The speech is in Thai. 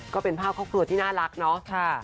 ก็เป็นภาพครอบครัวที่น่ารักเนาะ